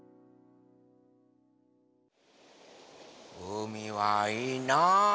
うみはいいな。